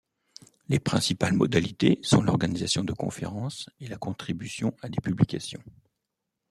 Les principales modalités sont l’organisation de conférences et la contribution à des publications.